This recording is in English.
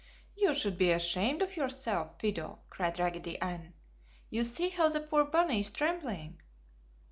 "You should be ashamed of yourself, Fido!" cried Raggedy Ann. "Just see how the poor bunny is trembling!"